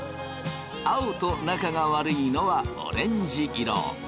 青と仲が悪いのはオレンジ色。